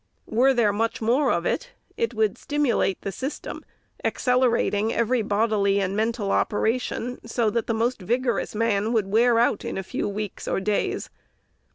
Were there much more of it, it would stim ulate the system, accelerating every bodily and mental operation, so that the most vigorous man would wear out in a few weeks or days.